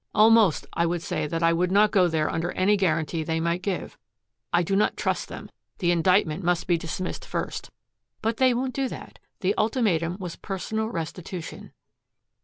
Almost, I would say that I would not go there under any guarantee they might give. I do not trust them. The indictment must be dismissed first." "But they won't do that. The ultimatum was personal restitution."